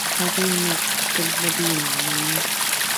هغوی نه غوښتل بدلون ومني.